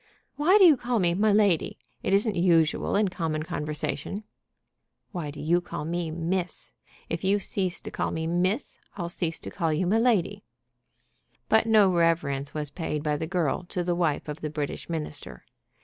"Why do you call me 'my lady?' It isn't usual in common conversation." "Why do you call me 'miss?' If you cease to call me 'miss,' I'll cease to call you 'my lady.'" But no reverence was paid by the girl to the wife of the British Minister.